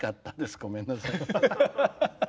ごめんなさい。